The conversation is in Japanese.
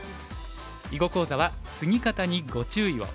囲碁講座は「ツギ方にご注意を！」。